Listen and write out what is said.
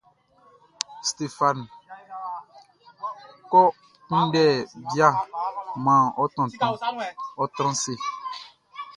Stéphane, kɔ kunndɛ bia man ɔ tontonʼn; ɔ́ trán ase.